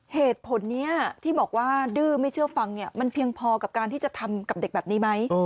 เหตุผลนี้ที่บอกว่าดื้อไม่เชื่อฟังเนี่ยมันเพียงพอกับการที่จะทำกับเด็กแบบนี้ไหม